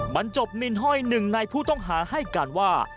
บรรจบมินห้อยหนึ่งในผู้ต้องหาให้การว่า